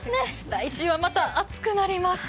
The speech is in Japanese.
来週はまた暑くなります。